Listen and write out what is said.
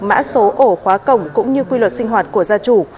mã số ổ khóa cổng cũng như quy luật sinh hoạt của gia chủ